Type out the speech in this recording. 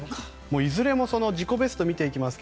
いずれも自己ベストを見ていきますが